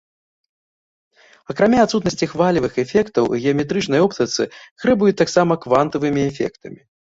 Акрамя адсутнасці хвалевых эфектаў, у геаметрычнай оптыцы грэбуюць таксама квантавымі эфектамі.